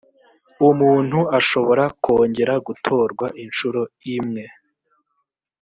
umuntu ashobora kongera gutorwa inshuro iimwe